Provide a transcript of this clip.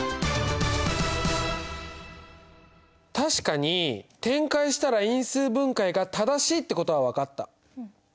確かに展開したら因数分解が正しいってことは分かった。